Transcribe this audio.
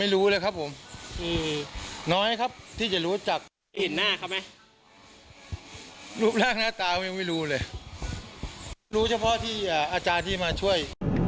รูปแรกหน้าตาไม่รู้เลยรู้เฉพาะที่อาจารย์ที่มาช่วย